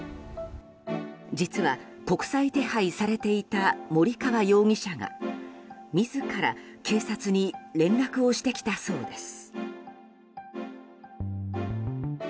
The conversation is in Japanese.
実は、国際手配されていた森川容疑者が自ら警察に連絡をしてきたそうです。